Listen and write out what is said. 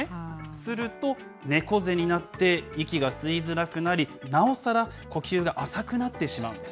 すると、猫背になって息が吸いづらくなり、なおさら呼吸が浅くなってしまうんです。